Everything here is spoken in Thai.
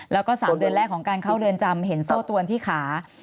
แล้วก็๓เดือนแรกของการเข้าเรือนจำเห็นโซ่ตวนที่ขา